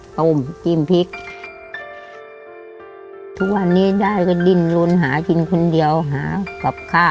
ต้มจิ้มพริก